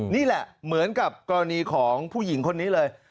นี่แหละเหมือนกับกรณีของผู้หญิงคนนี้เลย